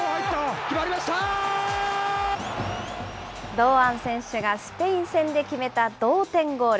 堂安選手がスペイン戦で決めた同点ゴール。